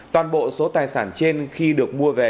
toàn bộ số tài sản trên khi được mua về